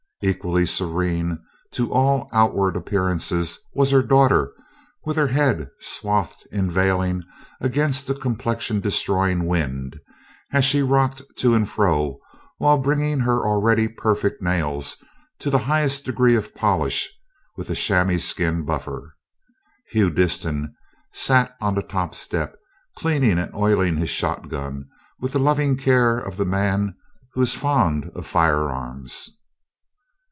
Equally serene, to all outward appearances, was her daughter, with her head swathed in veiling against the complexion destroying wind as she rocked to and fro while bringing her already perfect nails to the highest degree of polish with a chamois skin buffer. Hugh Disston sat on the top step cleaning and oiling his shotgun with the loving care of the man who is fond of firearms.